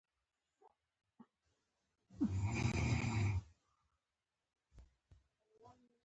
دا لوبې د ژمي په میلوں کې ترسره کیږي